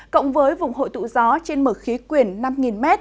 cộng với vùng hội tụ gió trên mực khí quyển năm m